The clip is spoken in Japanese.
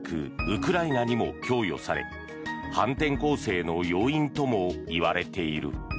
ウクライナにも供与され反転攻勢の要因ともいわれている。